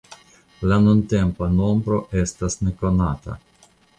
La nuntempa nombro estas nekonata.